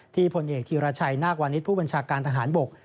พลเอกธีรชัยนาควานิสผู้บัญชาการทหารบก